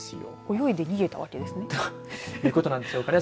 泳いで逃げたわけですね。ということなんでしょうかね。